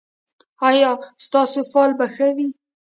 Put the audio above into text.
ایا ستاسو فال به ښه وي؟